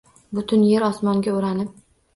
Butun yer osmonga o’ranib